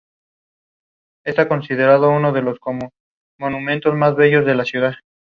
En el codo se hace superficial y da sus ramas sensitivas terminales.